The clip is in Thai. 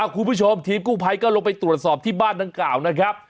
คุณผู้ชมทีมกู้ภัยก็ลงไปตรวจสอบที่บ้านดังกล่าวนะครับ